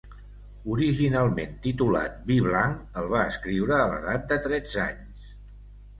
Originalment titulat Vi Blanc, el va escriure a l'edat de tretze anys.